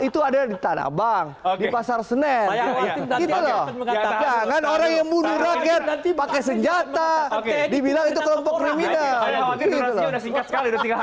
itu adalah di tanabang di pasar senen orang yang bunuh rakyat pakai senjata